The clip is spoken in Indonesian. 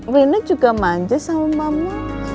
wina juga manja sama mama